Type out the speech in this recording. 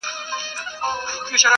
چي مي جانان مجلس له چا سره کوینه-